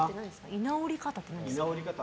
居直り方って何ですか？